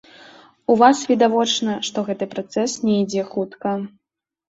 У вас відавочна, што гэты працэс не ідзе хутка.